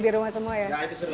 di rumah semua ya